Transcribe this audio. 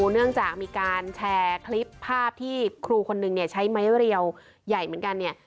เนื่องจากมีการแชร์คลิปภาพที่ครูคนหนึ่งใช้ไม้วะเรียวใหญ่เหมือนกัน